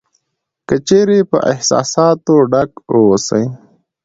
که چېرې په احساساتو ډک اوسې .